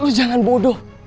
lo jangan bodoh